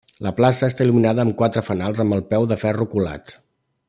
La plaça està il·luminada amb quatre fanals amb el peu de ferro colat.